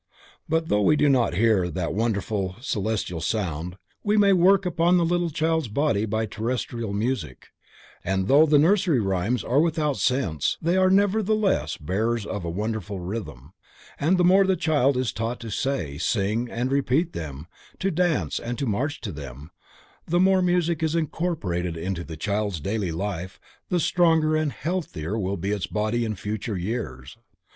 But though we do not hear that wonderful celestial sound, we may work upon the little child's body by terrestrial music, and though the nursery rhymes are without sense, they are nevertheless bearers of a wonderful rhythm, and the more a child is taught to say, sing and repeat them, to dance and to march to them, the more music is incorporated into a child's daily life, the stronger and healthier will be its body in future years.